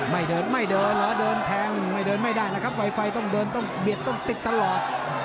ไม่เดินไม่เดินเหรอเดินแทงไม่เดินไม่ได้แล้วครับไวไฟต้องเดินต้องเบียดต้องติดตลอด